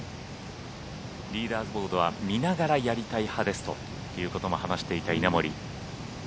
リーダーズボードは、見ながらやりたい派ですということも話していた稲森。